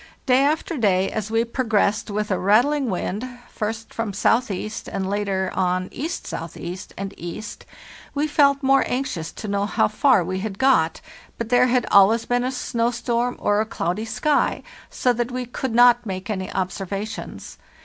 "Day after day, as we progressed with a rattling wind, first from S.E. and later on E.S.E. and E., we felt more anxious to know how far we had got; but there had always been a snow storm or a cloudy sky, so that we could not make any observations.